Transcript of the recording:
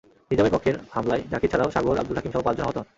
নিজামের পক্ষের হামলায় জাকির ছাড়াও সাগর, আবদুল হাকিমসহ পাঁচজন আহত হন।